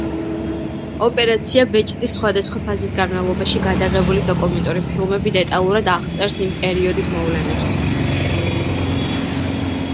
ოპერაცია ბეჭდის სხვადასხვა ფაზის განმავლობაში გადაღებული დოკუმენტური ფილმები დეტალურად აღწერს იმ პერიოდის მოვლენებს.